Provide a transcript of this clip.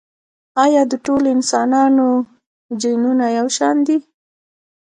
ایا د ټولو انسانانو جینونه یو شان دي؟